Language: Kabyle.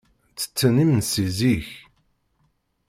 Ttetten imensi zik.